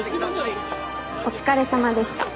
お疲れさまでした。